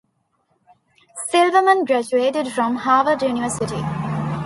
Silverman graduated from Harvard University.